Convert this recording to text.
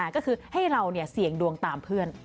ก็คือให้เราเสี่ยงดวงตามเพื่อน